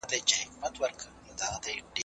د تېر تاریخ پانګه د ټول ملت ده.